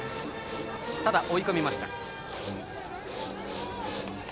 ただ、追い込みました。